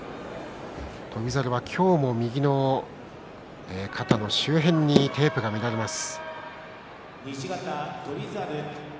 翔猿は今日も右の肩の周辺にテープが見られます。